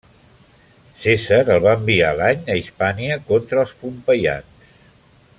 Cèsar el va enviar l'any a Hispània contra els pompeians.